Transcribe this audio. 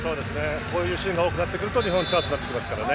こういうシーンが多くなってくると日本チャンスになってきますからね。